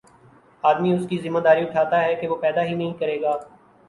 آدمی اس کی ذمہ داری اٹھاتا ہے کہ وہ پیدا ہی نہیں کرے گا